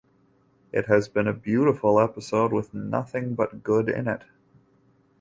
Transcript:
It has been a beautiful episode with nothing but good in it.